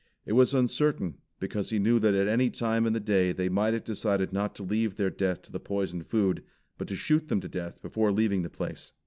It was uncertain, because he knew that at any time in the day they might have decided not to leave their death to the poisoned food, but to shoot them to death before leaving the place.